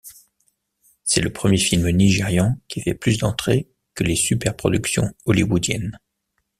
C'est le premier film nigérian qui fait plus d’entrées que les superproductions hollywoodiennes.